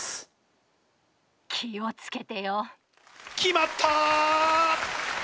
気を付けてよ。決まった！